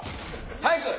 早く！